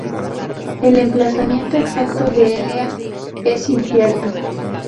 El emplazamiento exacto de Elea es incierto.